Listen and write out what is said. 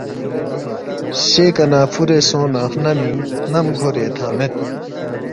سیکہ نہ فُورے سونگنہ خنمینگ خنم کھورے تھنگ مید